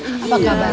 oh apa kabar